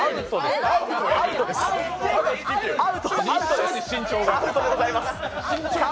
かんでもアウトでございます。